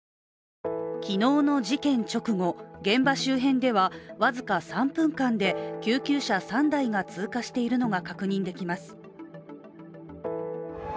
昨日の事件直後、現場周辺では僅か３分間で救急車３台が通過しているのが確認できます。